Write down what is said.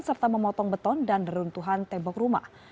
serta memotong beton dan reruntuhan tembok rumah